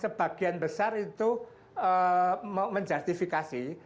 sebagian besar itu menjastifikasi